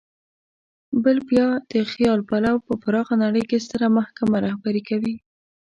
بل بیا د خیال پلو په پراخه نړۍ کې ستره محکمه رهبري کوي.